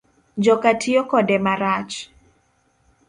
Joka tiyo kode marach